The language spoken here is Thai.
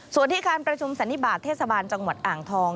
ส่วนที่การประชุมสันนิบาทเทศบาลจังหวัดอ่างทอง